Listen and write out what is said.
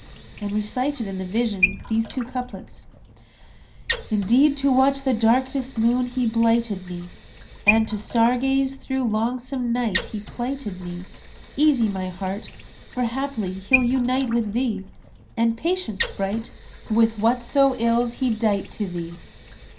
and recited in the vision these two couplets, "Indeed to watch the darkness moon he blighted me, * And to star gaze through longsome night he plighted me: Easy, my heart! for haply he'll unite with thee; * And patience, Sprite! with whatso ills he dight to thee."